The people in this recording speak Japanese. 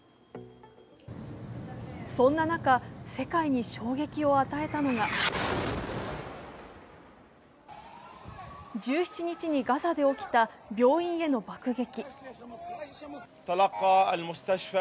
そんな中、世界に衝撃を与えたのが１７日にガザで起きた、病院への爆撃。